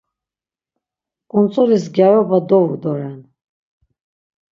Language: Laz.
Ǩuntzulis gyaroba dovu doren.